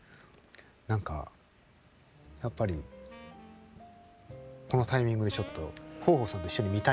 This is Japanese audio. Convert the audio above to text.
何かやっぱりこのタイミングでちょっと豊豊さんと一緒に見たいなと。